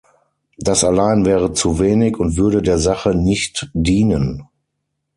Das allein wäre zu wenig und würde der Sache nicht dienen.